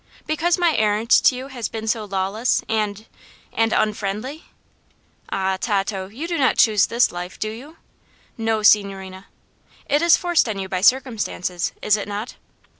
"Because my errand to you has been so lawless and and unfriendly?" "Ah, Tato, you do not choose this life, do you?" "No, signorina." "It is forced on you by circumstances, is it not?"